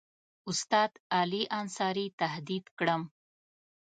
استاد علي انصاري تهدید کړم.